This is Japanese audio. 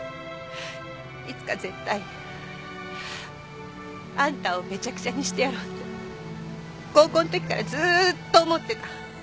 いつか絶対あんたをめちゃくちゃにしてやろうって高校のときからずっと思ってた